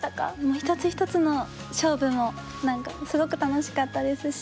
１つ１つの勝負もすごく楽しかったですし。